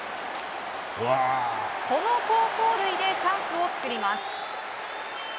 この好走塁でチャンスを作ります。